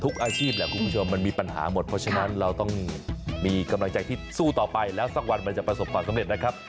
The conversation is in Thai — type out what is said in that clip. อาชีพแหละคุณผู้ชมมันมีปัญหาหมดเพราะฉะนั้นเราต้องมีกำลังใจที่สู้ต่อไปแล้วสักวันมันจะประสบความสำเร็จนะครับ